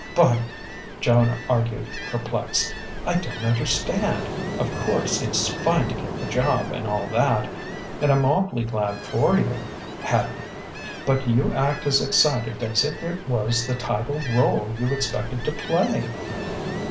"But," Joan argued, perplexed, "I don't understand.... Of course, it's fine to get the job, and all that and I'm awf'ly glad for you, Hattie but you act as excited as if it was the title rôle you expected to play."